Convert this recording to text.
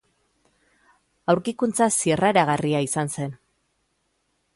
Aurkikuntza zirraragarria izan zen.